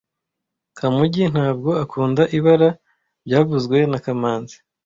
Kamugi ntabwo akunda ibara byavuzwe na kamanzi